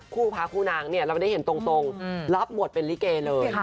คู่พระคู่นางเนี่ยเราได้เห็นตรงรับบทเป็นลิเกเลย